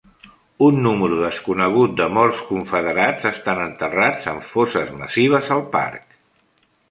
Un número desconegut de morts confederats estan enterrats en fosses massives al parc.